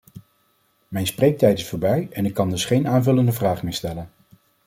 Mijn spreektijd is voorbij en ik kan dus geen aanvullende vraag meer stellen.